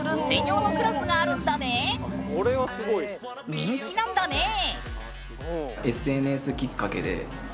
人気なんだねえ！